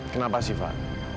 kenapa sih fah